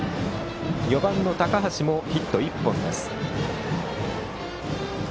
４番の高橋もヒット１本です。